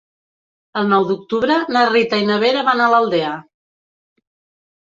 El nou d'octubre na Rita i na Vera van a l'Aldea.